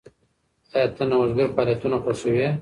ایا ته نوښتګر فعالیتونه خوښوې؟